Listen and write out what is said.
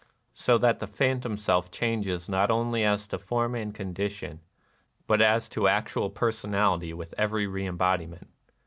So that the phantom self changes not only as to form and condition, but as to actual personality with every reembodiment.